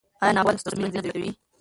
آیا ناول د لوستلو مینه زیاتوي؟